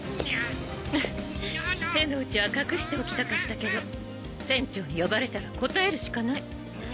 フフ手の内は隠しておきたかったけど船長に呼ばれたら応えるしかない。にゅ。